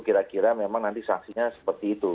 kira kira memang nanti sanksinya seperti itu